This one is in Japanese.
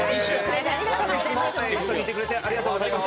いつも一緒にいてくれてありがとうございます。